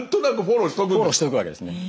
フォローしておくわけですね。